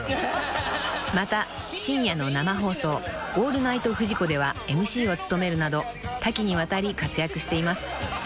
［また深夜の生放送『オールナイトフジコ』ではＭＣを務めるなど多岐にわたり活躍しています］